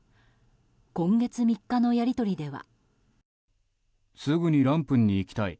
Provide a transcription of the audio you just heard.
今月３日のやり取りでは。